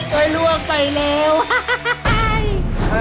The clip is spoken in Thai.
เคยลวกไปแล้ว